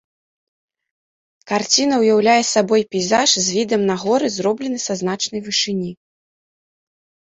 Карціна ўяўляе сабой пейзаж з відам на горы, зроблены са значнай вышыні.